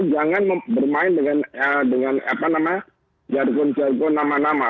jangan bermain dengan jargon jargon nama nama